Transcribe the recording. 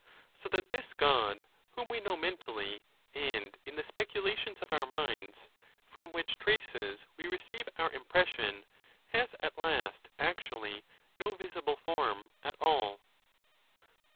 So that this God, whom we know mentally and in the speculations of our minds, from which traces we receive our impression, has at last actually no visible form at all.